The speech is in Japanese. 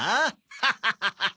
ハハハハ。